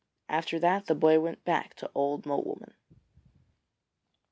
After that the boy went back to Old Mole woman.